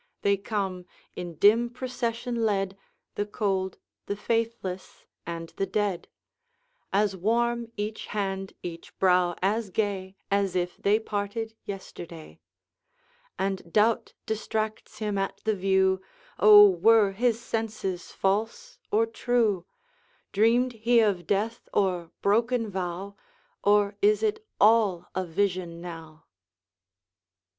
They come, in dim procession led, The cold, the faithless, and the dead; As warm each hand, each brow as gay, As if they parted yesterday. And doubt distracts him at the view, O were his senses false or true? Dreamed he of death or broken vow, Or is it all a vision now?